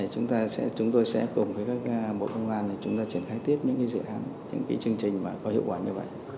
chúng tôi sẽ cùng với bộ công an triển khai tiếp những dự án những chương trình có hiệu quả như vậy